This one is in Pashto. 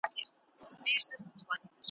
او لا یې هم، په رسنیو کي `